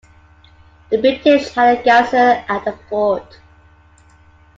The British had a garrison at the fort.